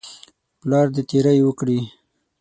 پلار دې تیری وکړي.